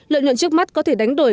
lợi nhuận trước mắt có thể đánh đổi